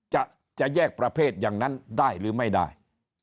จะแยกประเภทอย่างนั้นได้หรือไม่ได้